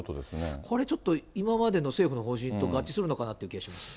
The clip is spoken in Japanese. これちょっと、今までの政府の方針と合致するのかなという気がしますね。